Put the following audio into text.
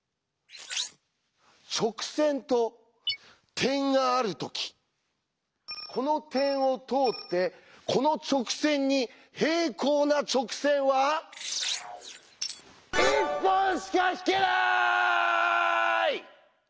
「直線と点があるときこの点を通ってこの直線に平行な直線は１本しか引けない」！